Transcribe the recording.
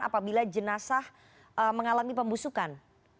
apabila jenazah mengalami pembusukan